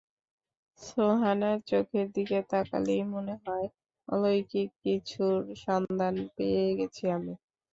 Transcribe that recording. সুহানার চোখের দিকে তাকালেই মনে হয়, অলৌকিক কিছুর সন্ধান পেয়ে গেছি আমি।